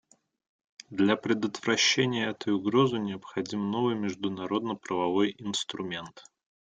Для предотвращения этой угрозы необходим новый международно-правовой инструмент.